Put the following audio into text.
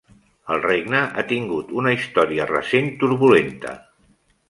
El regne ha tingut una història recent turbulenta.